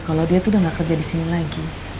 kalo dia tuh udah gak kerja disini lagi